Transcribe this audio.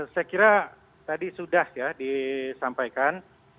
saya kira tadi sudah ya disampaikan